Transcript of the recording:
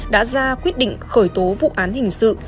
đã ra quyết định khởi tố vụ án hình sự